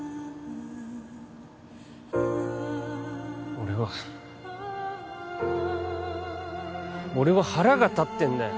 俺は俺は腹が立ってんだよ